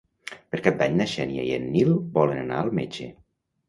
Per Cap d'Any na Xènia i en Nil volen anar al metge.